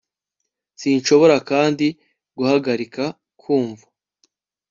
Sinshobora kandi guhagarika kumva